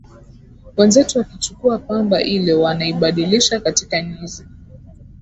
wenzetu wakichukua pamba ile wanaibadilisha katika nyuzi